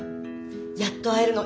やっと会えるの。